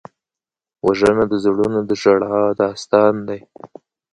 وژنه د زړونو د ژړا داستان دی